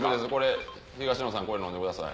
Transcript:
東野さんこれ飲んでください。